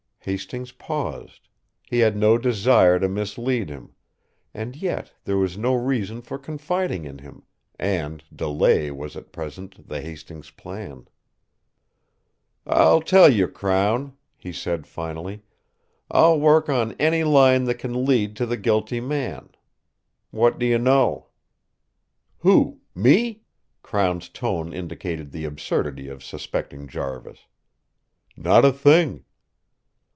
Hastings paused. He had no desire to mislead him. And yet, there was no reason for confiding in him and delay was at present the Hastings plan. "I'll tell you, Crown," he said, finally; "I'll work on any line that can lead to the guilty man. What do you know?" "Who? Me?" Crown's tone indicated the absurdity of suspecting Jarvis. "Not a thing."